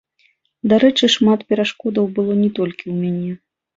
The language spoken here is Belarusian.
Дарэчы, шмат перашкодаў было не толькі ў мяне.